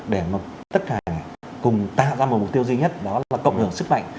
để mà tất cả cùng tạo ra một mục tiêu duy nhất đó là cộng hưởng sức mạnh